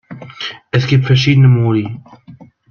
Es gibt verschiedene Modi.